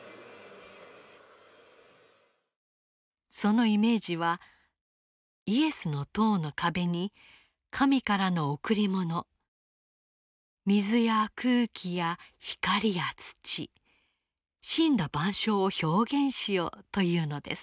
そのイメージはイエスの塔の壁に神からの贈り物水や空気や光や土森羅万象を表現しようというのです。